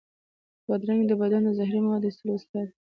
بادرنګ د بدن د زهري موادو د ایستلو وسیله ده.